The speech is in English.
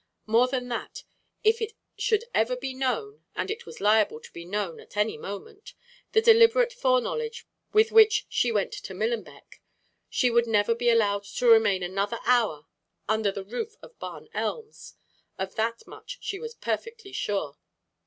More than that, if it should ever be known and it was liable to be known at any moment the deliberate foreknowledge with which she went to Millenbeck, she would never be allowed to remain another hour under the roof of Barn Elms: of that much she was perfectly sure.